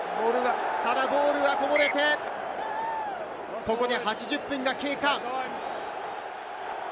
ただボールはこぼれて、ここで８０分が経過。